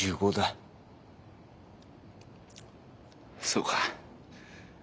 そうか。